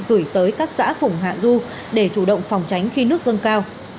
gửi tới các xã vùng hạ du để chủ động phòng tránh khi nước dâng cao